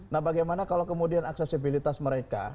nah bagaimana kalau kemudian aksesibilitas mereka